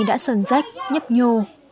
đã sần rách nhấp nhồ